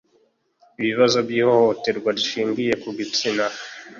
ibibazo by ihohoterwa rishingiye ku gitsina